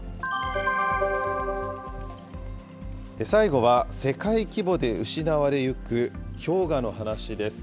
最後は、世界規模で失われゆく氷河の話です。